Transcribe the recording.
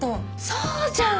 そうじゃん！